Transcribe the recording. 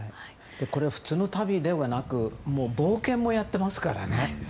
普通の旅ではなく冒険もやってますからね。